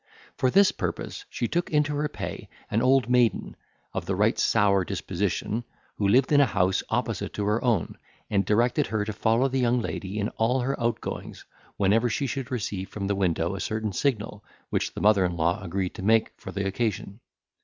For this purpose she took into her pay an old maiden, of the right sour disposition, who lived in a house opposite to her own, and directed her to follow the young lady in all her outgoings, whenever she should receive from the window a certain signal, which the mother in law agreed to make for the occasion.